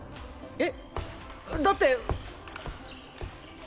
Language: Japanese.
えっだって。